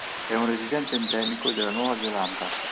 È un residente endemico della Nuova Zelanda.